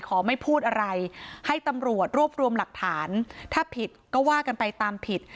ไม่พูดอะไรให้ตำรวจรวบรวมหลักฐานถ้าผิดก็ว่ากันไปตามผิด